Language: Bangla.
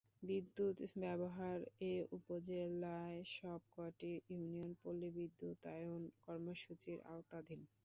বিদ্যুৎ ব্যবহার এ উপজেলার সবক’টি ইউনিয়ন পল্লিবিদ্যুতায়ন কর্মসূচির আওতাধীন।